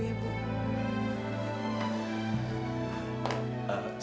saya itu pengen pengen